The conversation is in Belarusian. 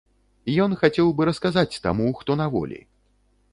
Ён хацеў бы расказаць таму, хто на волі.